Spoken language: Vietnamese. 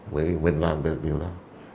vì mình làm được điều đó